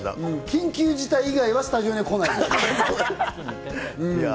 緊急事態以外はスタジオには来ない。